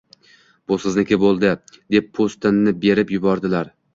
Bu sizniki bo’ldi, – deb po’stinni berib yubordilar.